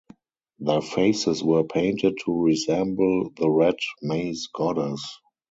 Their faces were painted to resemble the red maize goddess.